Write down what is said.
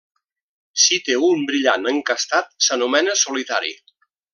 Si té un brillant encastat, s'anomena solitari.